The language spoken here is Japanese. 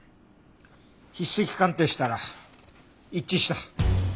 筆跡鑑定したら一致した。